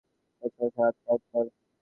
তোমরা সালাত কায়েম কর।